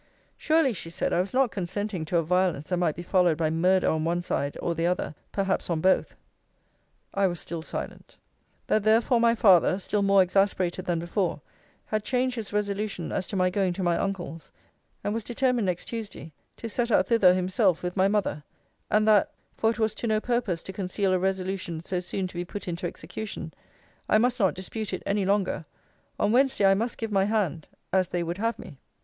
Surely, she said, I was not consenting to a violence that might be followed by murder on one side or the other; perhaps on both. I was still silent. That therefore my father (still more exasperated than before) had changed his resolution as to my going to my uncle's; and was determined next Tuesday to set out thither himself with my mother; and that (for it was to no purpose to conceal a resolution so soon to be put into execution) I must not dispute it any longer on Wednesday I must give my hand as they would have me.